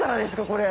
これ。